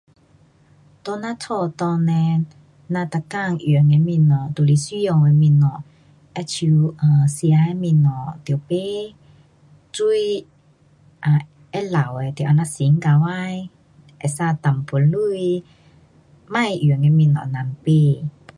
在咱家里呢咱每天用的东西都是需要的东西，好像 um 吃的东西得买,水 um 会漏的得这样乘起来，会省一点钱。别用的东西甭买。